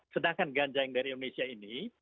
sedangkan ganja yang dari indonesia ini